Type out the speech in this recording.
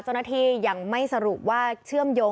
เจ้าหน้าที่ยังไม่สรุปว่าเชื่อมโยง